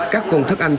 các phòng thức ăn chim